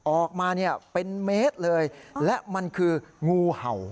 ออกมาเนี่ยเป็นเมตรเลยและมันคืองูเห่า